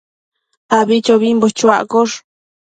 abichobimbo chuaccosh